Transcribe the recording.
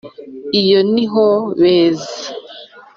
Iyo niho beza